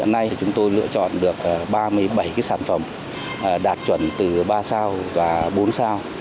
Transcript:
năm hai nghìn một mươi chín có tám mươi tổ đăng ký chín mươi bảy sản phẩm đạt chuẩn từ ba sao và bốn sao